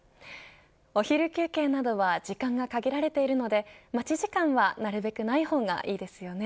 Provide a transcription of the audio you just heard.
お昼休憩などは時間が限られているので待ち時間は、なるべくない方がいいですよね。